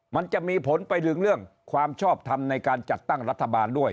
มันจะมีผลไปถึงเรื่องความชอบทำในการจัดตั้งรัฐบาลด้วย